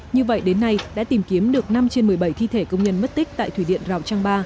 như vậy đến nay đã tìm kiếm được năm trên một mươi bảy thi thể công nhân mất tích tại thủy điện rào trang ba